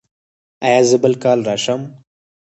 ایا زه بل کال راشم؟